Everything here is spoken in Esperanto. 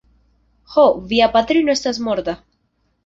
Ho, via patrino estas morta.